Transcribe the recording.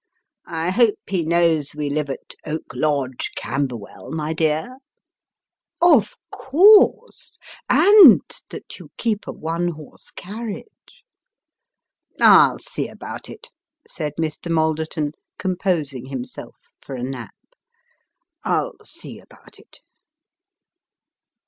I hope he knows we live at Oak Lodge, Camberwell, my dear ?"" Of course and that you keep a one horse carriage." " I'll see about it," said Mr. Malderton, composing himself for a nap ;" I'll see about it."